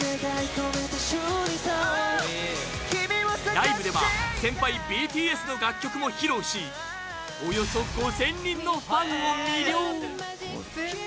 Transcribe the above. ライブでは先輩・ＢＴＳの楽曲も披露しおよそ５０００人のファンを魅了。